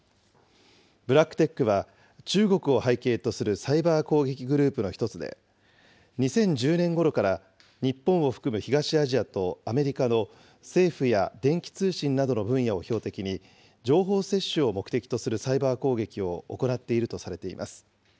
ＢｌａｃｋＴｅｃｈは、中国を背景とするサイバー攻撃グループの一つで、２０１０年ごろから日本を含む東アジアとアメリカの政府や電気通信などの分野を標的に、情報窃取を目的とするサイバー攻撃を行っているとされています。